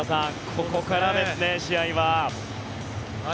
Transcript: ここからですね、試合は。